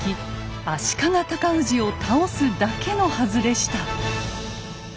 ・足利尊氏を倒すだけのはずでした。